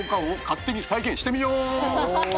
お。